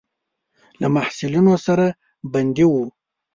له محصلینو سره بندي وو.